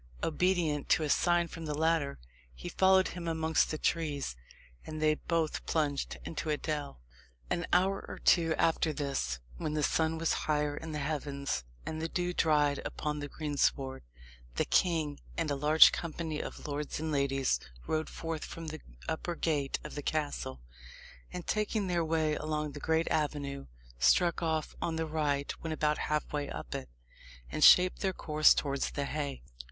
Obedient to a sign from the latter, he followed him amongst the trees, and they both plunged into a dell. An hour or two after this, when the sun was higher in the heavens, and the dew dried upon the greensward, the king and a large company of lords and ladies rode forth from the upper gate of the castle, and taking their way along the great avenue, struck off on the right when about half way up it, and shaped their course towards the haye.